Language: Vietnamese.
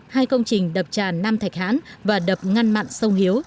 hai công trình đập tràn nam thạch hán và đập ngăn mặn sông hiếu